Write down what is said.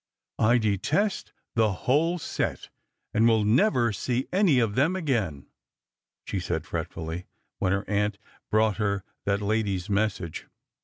" I detest the whole set, and will never see any of thom again," she said fretfully, when her aunt brought her that lady's mes sage.